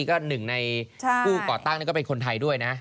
ก็หนึ่งในผู้ก่อตั้งก็เป็นคนไทยด้วยนะ